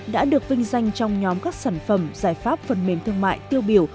đã được vinh danh trong nhóm các sản phẩm giải pháp phần mềm thương mại tiêu biểu